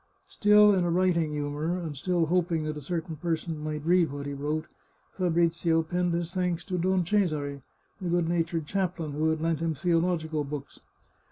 Still in a writing humour, and still hoping that a certain person might read what he wrote, Fabrizio penned his thanks to Don Cesare, the good natured chaplain who had lent him theological books.